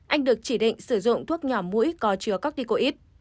anh được chỉ định sử dụng thuốc nhỏ mũi có chứa cardicoid